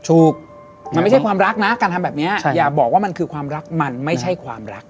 ถูกมันไม่ใช่ความรักนะการทำแบบนี้อย่าบอกว่ามันคือความรักมันไม่ใช่ความรัก